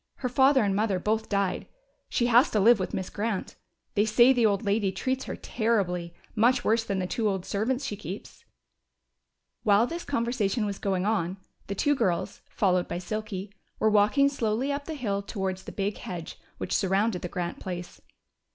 Her father and mother both died, so she has to live with Miss Grant. They say the old lady treats her terribly much worse than the two old servants she keeps." While this conversation was going on, the two girls, followed by Silky, were walking slowly up the hill towards the big hedge which surrounded the Grant place.